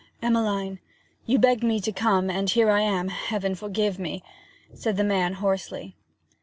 'Emmeline, you begged me to come, and here I am, Heaven forgive me!' said the man hoarsely.